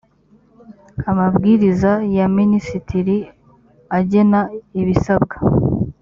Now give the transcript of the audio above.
amabwiriza ya minisitiri agena ibisabwa